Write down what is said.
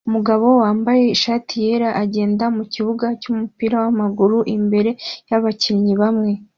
Umugabo wambaye ishati yera agenda mukibuga cyumupira wamaguru imbere yabakinnyi bamwe